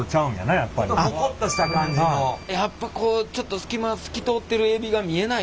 やっぱこうちょっと隙間透き通ってるエビが見えないと駄目やなあ。